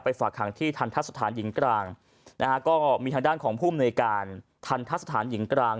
ไปฝากทางที่ทันทัศน์สถานหญิงกลางก็มีทางด้านของภูมิในการทันทัศน์สถานหญิงกลาง